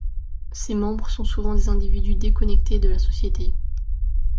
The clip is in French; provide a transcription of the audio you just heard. Ses membres sont souvent des individus déconnectés de la société.